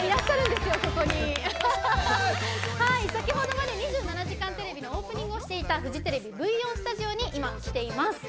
先ほどまで「２７時間テレビ」のオープニングをしていたフジテレビＶ４スタジオに今、来ています。